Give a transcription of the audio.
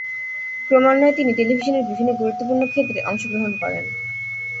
ক্রমান্বয়ে তিনি টেলিভিশনের বিভিন্ন গুরুত্বপূর্ণ ক্ষেত্রে অংশগ্রহণ করেন।